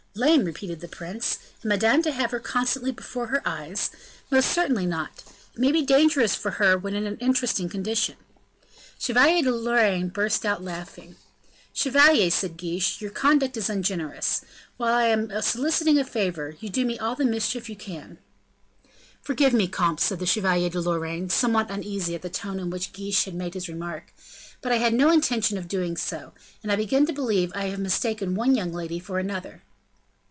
"Lame," repeated the prince, "and Madame to have her constantly before her eyes? Most certainly not; it may be dangerous for her when in an interesting condition." The Chevalier de Lorraine burst out laughing. "Chevalier," said Guiche, "your conduct is ungenerous; while I am soliciting a favor, you do me all the mischief you can." "Forgive me, comte," said the Chevalier de Lorraine, somewhat uneasy at the tone in which Guiche had made his remark, "but I had no intention of doing so, and I begin to believe that I have mistaken one young lady for another."